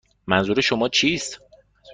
منظور شما چیست؟